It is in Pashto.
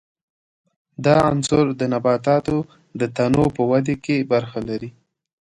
دا عنصر د نباتاتو د تنو په ودې کې برخه لري.